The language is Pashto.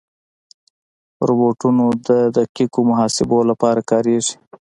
روبوټونه د دقیقو محاسبو لپاره کارېږي.